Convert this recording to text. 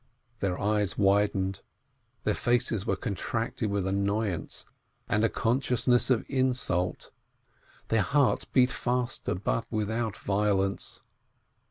Their eyes widened, their faces were contracted with annoyance and a consciousness of insult. Their hearts beat faster, but without violence.